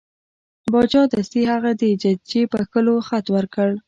باچا دستي هغه د ججې بخښلو خط ورکړ.